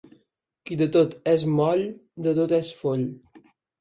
Qui de tot és moll, de tot és foll.